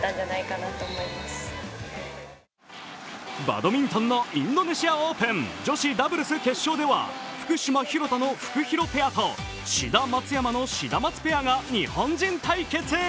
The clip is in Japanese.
バドミントンのインドネシアオープン女子ダブルス決勝では福島・廣田のフクヒロペアと志田・松山のシダマツペアが日本人対決。